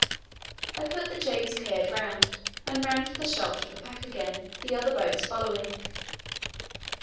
I put the James Caird round and ran for the shelter of the pack again, the other boats following.